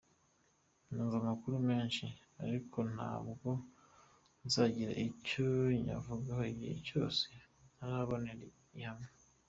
Numva amakuru menshi, ariko ntabwo nzagira icyo nyavugaho igihe cyose ntarayabonera gihamya.”